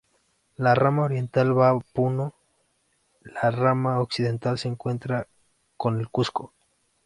La rama oriental va a Puno; la rama occidental se encuentra con el Cusco.